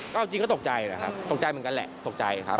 ก็จริงก็ตกใจแหละครับตกใจเหมือนกันแหละตกใจครับ